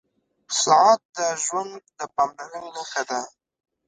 • ساعت د ژوند د پاملرنې نښه ده.